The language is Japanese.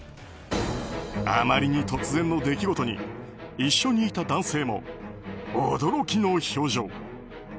あまりに突然の出来事に一緒にいた男性も驚きの表情。